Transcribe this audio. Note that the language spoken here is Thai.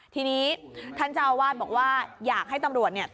ทีนี้ท่านเจ้าอาวาสบอกว่าอยากให้ตำรวจเนี่ย